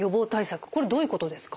これどういうことですか？